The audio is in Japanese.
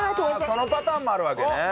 そのパターンもあるわけね。